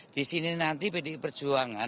di sini nanti pdi perjuangan